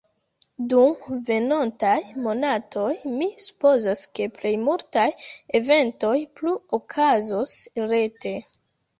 Dum venontaj monatoj, mi supozas ke plej multaj eventoj plu okazos rete.